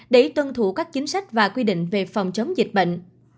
để tuân thủ các chính sách và quy định về phòng chống dịch bệnh